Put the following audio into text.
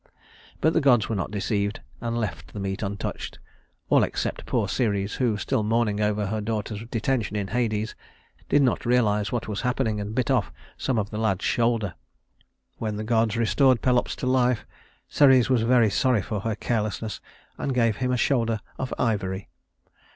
But the gods were not deceived, and left the meal untouched, all except poor Ceres, who, still mourning over her daughter's detention in Hades, did not realize what was happening and bit off some of the lad's shoulder. When the gods restored Pelops to life, Ceres was very sorry for her carelessness and gave him a shoulder of ivory.